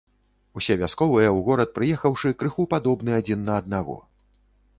Усе вясковыя, у горад прыехаўшы, крыху падобны адзін на аднаго.